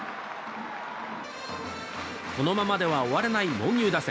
このままでは終われない猛牛打線。